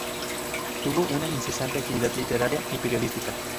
Tuvo una incesante actividad literaria y periodística.